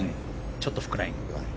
ちょっとフックライン。